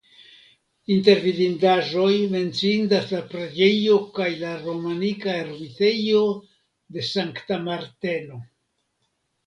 Inter vidindaĵoj menciindas la preĝejo kaj la romanika ermitejo de Sankta Marteno.